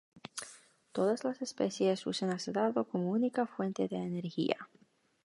Todas las especies usan acetato como única fuente de energía.